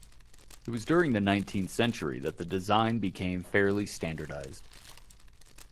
It was during the nineteenth century that the design became fairly standardized.